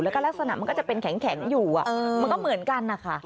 แล้วก็ลักษณะมันก็จะเป็นแข็งอยู่มันก็เหมือนกันนะคะ